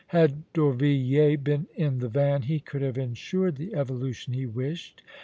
Had D'Orvilliers been in the van, he could have insured the evolution he wished.